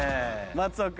松尾君。